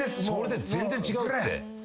それで全然違うって。